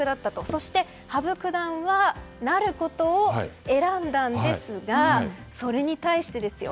そして、羽生九段は成ることを選んだんですがそれに対してですよ。